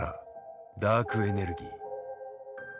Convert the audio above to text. ダークエネルギー。